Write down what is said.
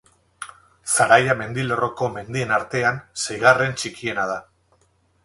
Zaraia mendilerroko mendien artean, seigarren txikiena da.